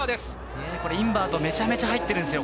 インバート、めちゃめちゃ入っています。